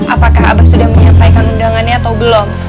apakah abad sudah menyampaikan undangannya atau belum